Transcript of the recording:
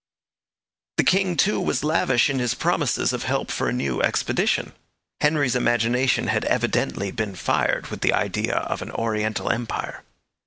The king, too, was lavish in his promises of help for a new expedition. Henry's imagination had evidently been fired with the idea of an Oriental empire.